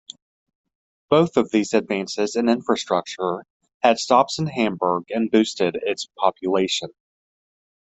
Both of these advances in infrastructure had stops in Hamburg and boosted its population.